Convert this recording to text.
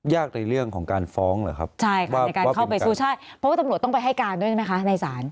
ในเรื่องของการฟ้องเหรอครับใช่ค่ะในการเข้าไปสู้ใช่เพราะว่าตำรวจต้องไปให้การด้วยใช่ไหมคะในศาล